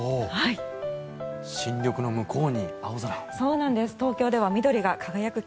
新緑の向こうに青空。